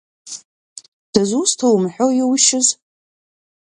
Дызусҭоу умҳәо иушьыз?